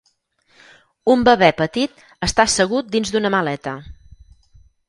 Un bebè petit està assegut dins d'una maleta.